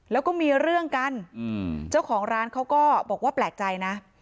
แล้วก็มีเรื่องกันเจ้าของร้านเขาก็บอกว่าแปลกใจนะ